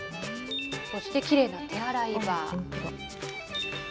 そしてきれいな手洗い場。